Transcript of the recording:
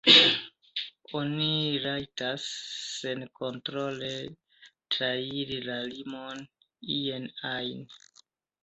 Oni rajtas senkontrole trairi la limon ie ajn.